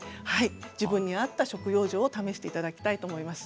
自分に合った食養生を試していただければと思います。